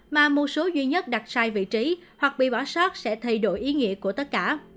mà một số duy nhất đặt sai vị trí hoặc bị bỏ sót sẽ thay đổi ý nghĩa của tất cả